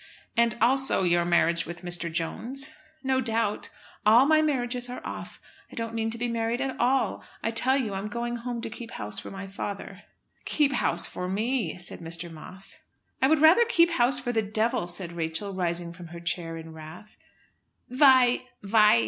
"And also your marriage with Mr. Jones?" "No doubt. All my marriages are off. I don't mean to be married at all. I tell you I'm going home to keep house for my father." "Keep house for me," said Mr. Moss. "I would rather keep house for the devil," said Rachel, rising from her chair in wrath. "Vy?